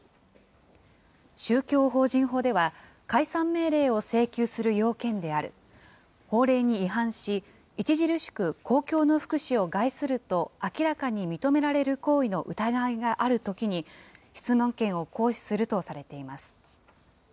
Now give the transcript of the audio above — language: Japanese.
宗教法人法では、解散命令を請求する要件である、法令に違反し、著しく公共の福祉を害すると明らかに認められる行為の疑いがあるときに質問権を行使するとされています。